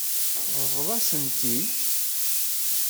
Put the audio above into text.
Ṛḍel-asen-tent-id.